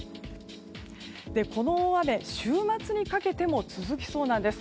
この大雨、週末にかけても続きそうなんです。